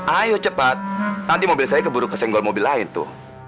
ayo cepat nanti mobil saya keburu ke senggol mobil lain tuh